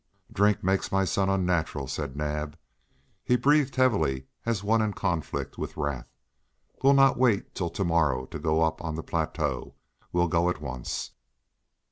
"Drink makes my son unnatural," said Naab. He breathed heavily as one in conflict with wrath. "We'll not wait till to morrow to go up on the plateau; we'll go at once."